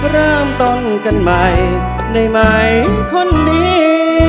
เริ่มต้นกันใหม่ได้ไหมคนนี้